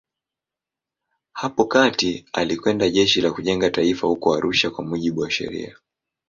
Hapo kati alikwenda Jeshi la Kujenga Taifa huko Arusha kwa mujibu wa sheria.